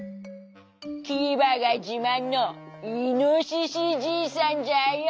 「キバがじまんのイノシシじいさんじゃよ。